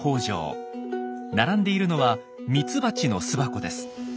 並んでいるのはミツバチの巣箱です。